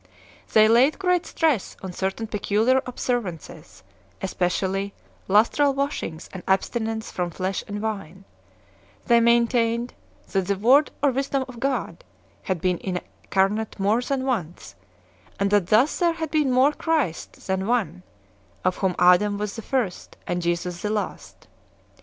They laid great stress on certain peculiar ob servances, especially lustral washings and abstinence from flesh and wine; they maintained "that the Word or Wisdom of God had been incarnate more than once, and that thus there had been more Christs than one, of whom Adam was the first ""ancl Jesus~~tKe~last.